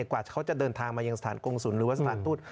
กว่าเขาจะเดินทางมาอย่างสถานกรงศูนย์หรือว่าสถานตูน